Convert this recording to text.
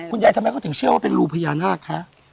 คุณยายทำไมเขาถึงเชื่อว่าเป็นรูพญานาค